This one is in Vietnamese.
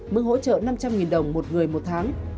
mức hỗ trợ năm trăm linh đồng một người một tháng